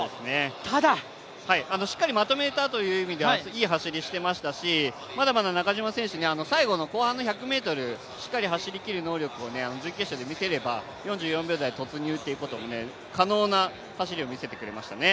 ただしっかりまとめたという意味ではいい走りしてましたしまだまだ中島選手、最後の後半の１００ｍ、しっかり走りきる能力を準決勝で見せれば４４秒台に突入っていうことも可能な走りを見せてくれましたね。